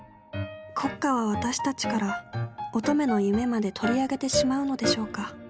国家は私たちから乙女の夢まで取り上げてしまうのでしょうか